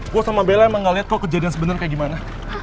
gue sama bella emang gak lihat kok kejadian sebenarnya kayak gimana